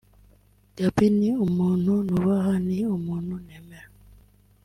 Gaby ni umuntu nubaha ni umuntu nemera